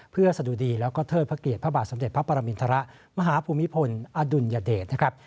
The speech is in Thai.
เพื่อสะดุดีแล้วก็เทิดพระเกียรติพระบาทสมเด็จพระปรมินทรมาหาภูมิพลอดุลยเดชนะครับ